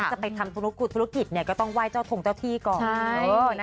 จะไปทำธุรธุรกิจก็ต้องไหว้เจ้าทงเจ้าที่ก่อน